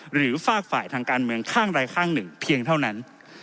หรือฝากฝ่ายทางการเมืองข้างใดข้างหนึ่งเพียงเท่านั้น